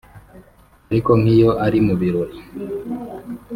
Ariko nk’iyo ari mu birori